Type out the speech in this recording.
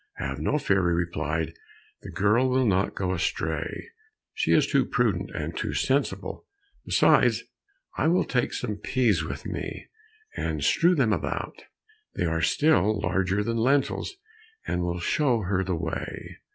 "Have no fear," he replied, "the girl will not go astray; she is too prudent and sensible; besides I will take some peas with me, and strew them about. They are still larger than lentils, and will show her the way."